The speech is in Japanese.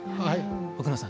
奥野さん